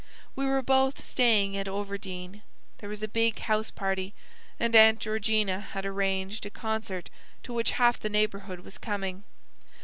We were both staying at Overdene. There was a big house party, and Aunt Georgina had arranged a concert to which half the neighbourhood was coming.